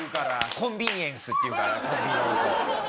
コンビニエンスって言うからコンビニの事。